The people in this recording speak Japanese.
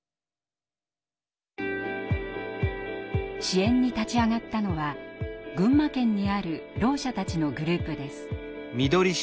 支援に立ち上がったのは群馬県にあるろう者たちのグループです。